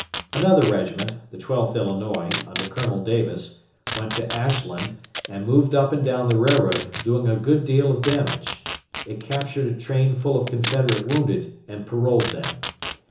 Another regiment the 12th Illinois, under Colonel Davis went to Ashland and moved up and down the railroad, doing a good deal of damage. It captured a train full of Confederate wounded and paroled them.